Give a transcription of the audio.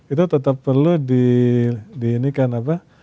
itu tetap perlu di ini kan apa